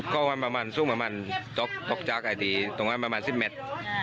เขาก็ได้ประมาณ๑๐เมตร